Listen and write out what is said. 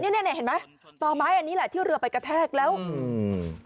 เนี้ยเนี้ยเห็นไหมต่อไม้อันนี้แหละที่เรือไปกระแทกแล้วอืม